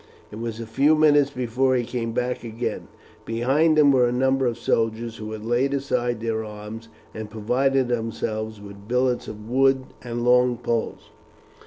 It was a few minutes before he came back again. Behind him were a number of soldiers, who had laid aside their arms and provided themselves with billets of wood and long poles.